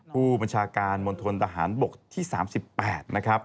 ผู้บัญชาการมณฑนทหารบกที่๓๘นะครับ